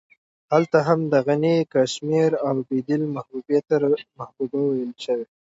هلته هم د غني کاشمېري او د بېدل محبوبې ته محبوبه ويل شوې.